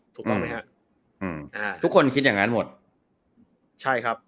ถูกต้องไหมฮะอืมอ่าทุกคนคิดอย่างงั้นหมดใช่ครับ